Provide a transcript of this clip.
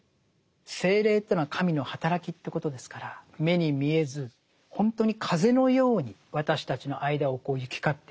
聖霊というのは神のはたらきということですから目に見えず本当に風のように私たちの間を行き交っている。